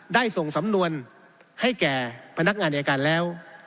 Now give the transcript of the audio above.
ได้ส่งสำนวนให้แก่พนักงานอายการแล้ว